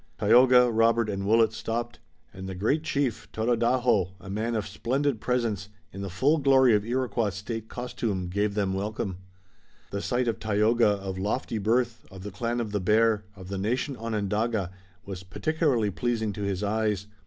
Tayoga, Robert and Willet stopped, and the great chief, Tododaho, a man of splendid presence, in the full glory of Iroquois state costume, gave them welcome. The sight of Tayoga, of lofty birth, of the clan of the Bear, of the nation Onondaga, was particularly pleasing to his eyes.